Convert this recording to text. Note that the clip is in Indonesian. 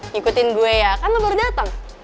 ngikutin gue ya kan lo baru datang